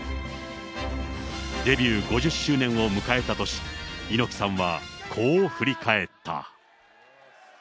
デビュー５０周年を迎えた年、猪木さんはこう振り返った。